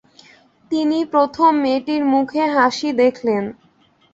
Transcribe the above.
তিনি প্রথম মেয়েটির মুখে হাসি দেখলেন।